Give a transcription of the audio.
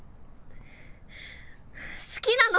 好きなの！